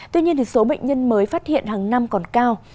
tuy nhiên số bệnh nhân mới phát hiện hàng năm còn cao